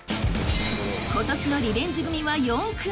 ことしのリベンジ組は４組！